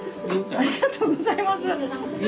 ありがとうございます。